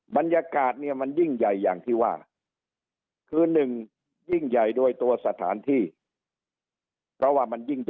บรรยากาศมันยิ่งใหญ่อย่างที่ว่า